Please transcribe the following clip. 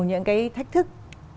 những cái thách thức